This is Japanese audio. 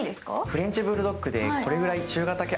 フレンチブルドッグでこれぐらい。